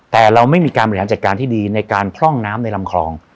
แต่เราไม่มีการบริหารจัดการที่ดีในการพร่องน้ำในลำคลอง